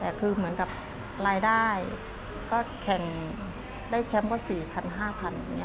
แต่คือเหมือนกับรายได้ก็แข่งได้แชมป์ก็๔๐๐๕๐๐อย่างนี้